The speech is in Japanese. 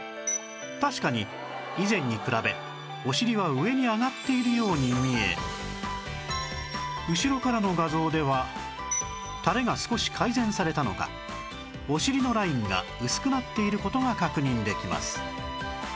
確かに以前に比べお尻は上に上がっているように見え後ろからの画像では垂れが少し改善されたのかお尻のラインが薄くなっている事が確認できます